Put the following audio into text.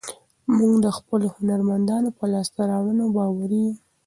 موږ د خپلو هنرمندانو په لاسته راوړنو باوري یو.